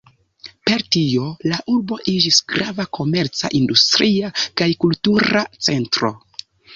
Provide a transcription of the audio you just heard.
Per tio la urbo iĝis grava komerca, industria kaj kultura centro.